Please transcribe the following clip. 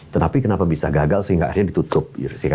tetapi kenapa bisa gagal sehingga akhirnya ditutup